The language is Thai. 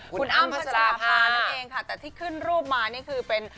คุณอ้ำพัชราภานั่นเองค่ะแต่ที่ขึ้นรูปมานี่คือเป็น